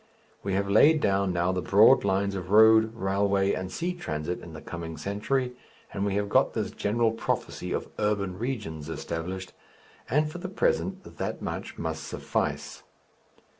We have laid down now the broad lines of road, railway, and sea transit in the coming century, and we have got this general prophecy of "urban regions" established, and for the present that much must suffice.